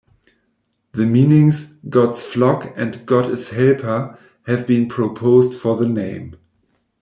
The meanings "God's flock" and "God is helper" have been proposed for the name.